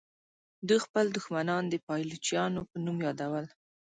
دوی خپل دښمنان د پایلوچانو په نوم یادول.